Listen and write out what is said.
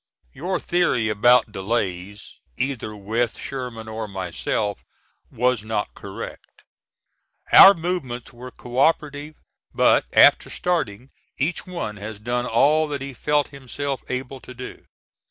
Your theory about delays, either with Sherman or myself, was not correct. Our movements were co operative but after starting each one has done all that he felt himself able to do.